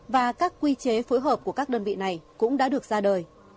và các quy chế phối hợp của các đơn vị này cũng đã được ra đời